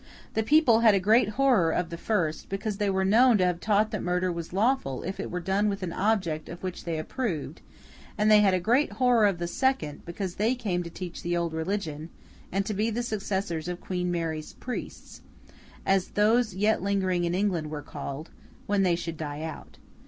The people had a great horror of the first, because they were known to have taught that murder was lawful if it were done with an object of which they approved; and they had a great horror of the second, because they came to teach the old religion, and to be the successors of 'Queen Mary's priests,' as those yet lingering in England were called, when they should die out.